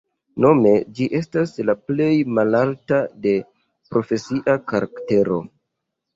Nome ĝi estas la plej malalta de profesia karaktero.